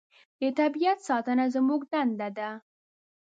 د طبیعت ساتنه زموږ دنده ده.